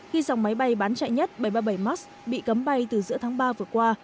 khi dòng máy bay bán chạy nhất bảy trăm ba mươi bảy max bị cấm bay từ giữa tháng ba vừa qua